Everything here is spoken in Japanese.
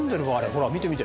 ほら見て見て。